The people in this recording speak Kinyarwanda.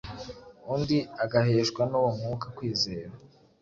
undi agaheshwa n’uwo Mwuka kwizera,